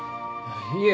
いえ。